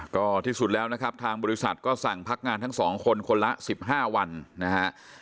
ก็ที่สุดแล้วนะครับทางบริษัทก็สั่งพักงานทั้งสองคนคนละ๑๕วันนะฮะ